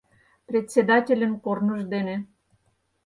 — Председательын корныж дене.